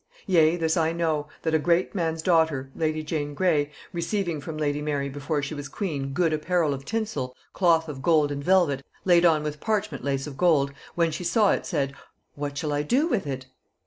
Yea, this I know, that a great man's daughter (lady Jane Grey) receiving from lady Mary before she was queen good apparel of tinsel, cloth of gold and velvet, laid on with parchment lace of gold, when she saw it, said, 'What shall I do with it?'